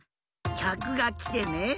きゃくがきてね。